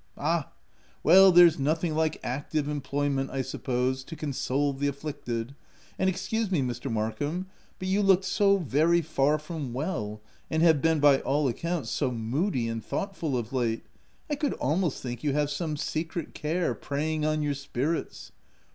u Ah ! Well, there's nothing like active em ployment, I suppose, to console the afflicted ;— and, excuse me, Mr. Markham, but you look so very far from well, and have been, by all accounts, so moody and thoughtful of late, — I could almost think you have some secret care preying on your spirits.